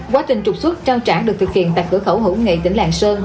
quá trình trục xuất trao trả được thực hiện tại cửa khẩu hữu nghị tỉnh lạng sơn